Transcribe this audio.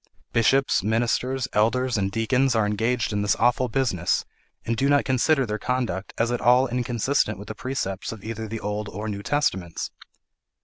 Bishops, ministers, elders, and deacons are engaged in this awful business, and do not consider their conduct as at all inconsistent with the precepts of either the Old or New Testaments.